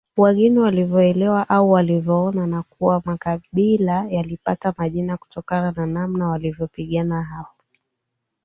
wageni walivyoelewa au walivyoona Na kuna makabila yalipata majina kutokana na namna wanavyopigana yapo